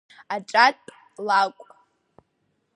Аҿатә лакә…